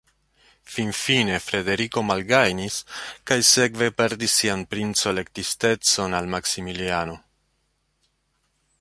Finfine Frederiko malgajnis kaj sekve perdis sian princo-elektistecon al Maksimiliano.